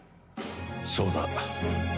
そうだ。